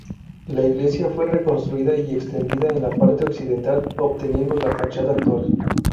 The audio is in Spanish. La iglesia fue reconstruida y extendida en la parte occidental, obteniendo la fachada actual.